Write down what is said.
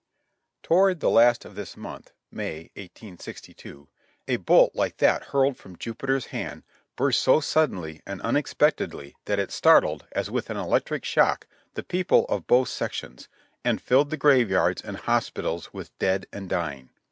Toward the last of this month (May, 1862), a bolt like that hurled from Jupiter's hand burst so suddenly and unexpectedly that it startled, as with an electric shock, the people of both sec tions, and filled the graveyards and hospitals with dead and dying.